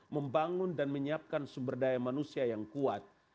membangun dan menyiapkan sumber daya manusia yang kuat